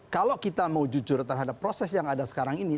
kalau kita mau jujur terhadap proses yang ada sekarang ini